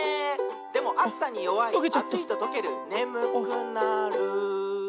「でもあつさによわいあついととけるねむくなる」